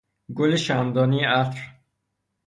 گل شمعدانی عطر